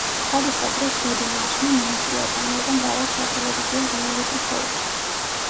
სხვადასხვა დროს ჯოდი მარშმა მონაწილეობა მიიღო მრავალ სატელევიზიო რეალიტი-შოუში.